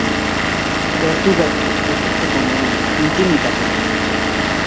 Gertu gertu, ukitzeko moduan, intimitatean.